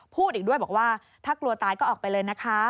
พูดอีกด้วยบอกว่าถ้ากลัวตายก็ออกไปเลยนะคะ